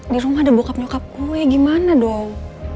di rumah ada bokap nyokap gue gimana doh